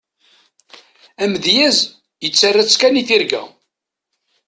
Amedyaz, yettarra-tt kan i tirga.